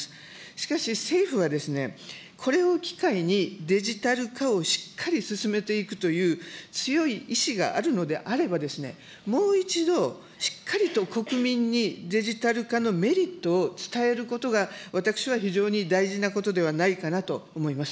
しかし、政府はですね、これを機会に、デジタル化をしっかり進めていくという強い意思があるのであればですね、もう一度、しっかりと国民にデジタル化のメリットを伝えることが、私は非常に大事なことではないかなと思います。